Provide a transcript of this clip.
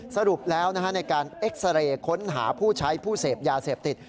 สรุปแล้วในการเอ็กซาเรย์ค้นหาผู้ใช้ผู้เสพยาเสพติด